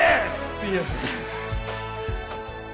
すいやせん。